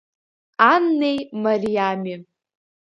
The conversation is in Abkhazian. Аннеи Мариами.